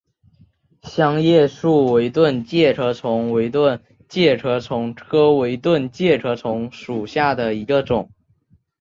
香叶树围盾介壳虫为盾介壳虫科围盾介壳虫属下的一个种。